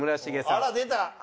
あら出た。